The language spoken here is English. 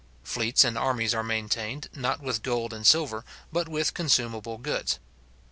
Fleets and armies are maintained, not with gold and silver, but with consumable goods.